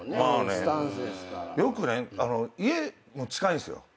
よくね家も近いんすよ。